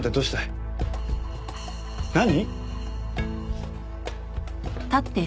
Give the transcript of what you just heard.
何！？